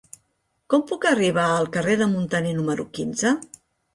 Com puc arribar al carrer de Muntaner número quinze?